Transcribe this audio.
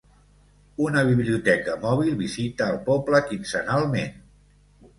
Una biblioteca mòbil visita el poble quinzenalment.